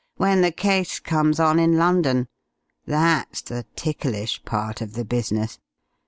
"When the case comes on in London. That's the ticklish part of the business.